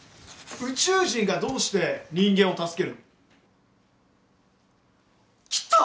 宇宙人がどうして人間を助けるの？来た！